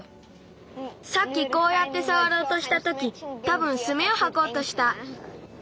さっきこうやってさわろうとしたときたぶんスミをはこうとした。